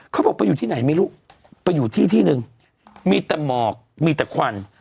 เขาบอกไปอยู่ที่ไหนไม่รู้ไปอยู่ที่ที่หนึ่งมีแต่หมอกมีแต่ควัน